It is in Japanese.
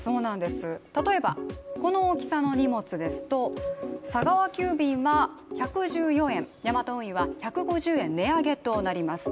例えばこの大きさの荷物ですと佐川急便は１１４円ヤマト運輸は１５０円値上げとなります。